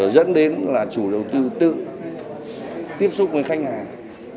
dẫn đến là chủ đầu tư tự tiếp xúc với khách hàng